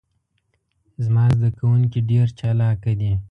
زما ذده کوونکي ډیر چالاکه دي.